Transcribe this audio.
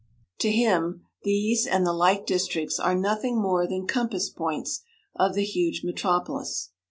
To him, these and the like districts are nothing more than compass points of the huge metropolis.